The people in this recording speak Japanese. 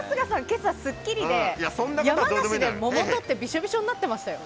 今朝「スッキリ」で山梨で桃とってびしょびしょになってましたよ。